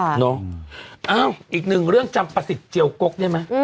เอ้าอีกหนึ่งเรื่องจำประสิทธิเจียวกกได้ไหม